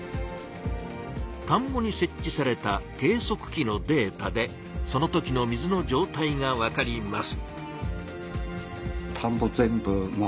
田んぼにせっ置された計そく器のデータでその時の水のじょうたいがわかります。